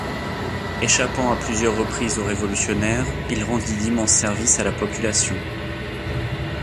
Échappant à plusieurs reprises aux Révolutionnaires, il rendit d'immenses services à la population.